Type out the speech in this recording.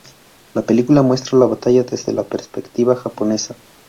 La película muestra la batalla desde la perspectiva japonesa.